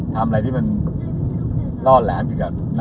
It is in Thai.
ทำอะไรที่มันลอดแหละ